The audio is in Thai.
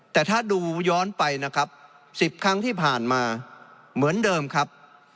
แต่ถ้าดูย้อนไปนะครับ๑๐ครั้งที่ผ่านมาเหมือนเดิมครับ